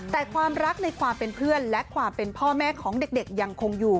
แต่ความรักในความเป็นเพื่อนและความเป็นพ่อแม่ของเด็กยังคงอยู่